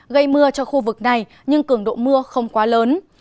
gây mưa cho khu vực này nhưng cường độ mưa không quá lớn